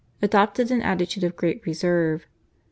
adopted an attitude of great reserve.